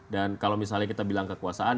dan kalau misalnya kita bilang kekuasaan